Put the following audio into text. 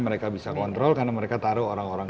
mereka bisa kontrol karena mereka taruh orang orang